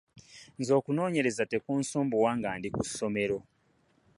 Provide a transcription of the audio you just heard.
Nze okunonyereza tekunsumbuwa nga ndi ku somero.